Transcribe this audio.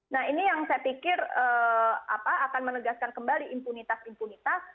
nah ini yang saya pikir akan menegaskan kembali impunitas impunitas